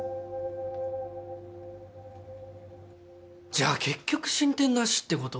じゃあ結局進展なしってこと？